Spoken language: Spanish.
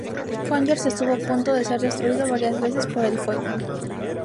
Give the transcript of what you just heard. Conyers estuvo a punto de ser destruido varias veces por el fuego.